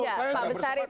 saya enggak bersepakat